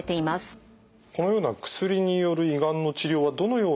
このような薬による胃がんの治療はどのように進めていくんですか？